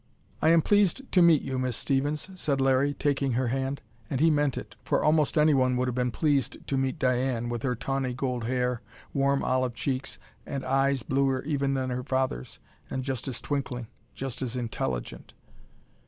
"I am pleased to meet you, Miss Stevens," said Larry, taking her hand. And he meant it for almost anyone would have been pleased to meet Diane, with her tawny gold hair, warm olive cheeks and eyes bluer even than her father's and just as twinkling, just as intelligent.